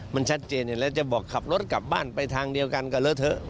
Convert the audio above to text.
มันชัดเจนอยู่แล้วจะบอกขับรถกลับบ้านไปทางเดียวกันก็เลอะเถอะ